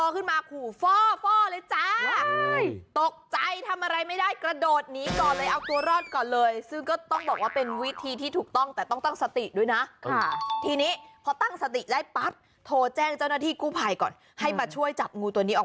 คือเขาต้องลื้อพื้นร้านออก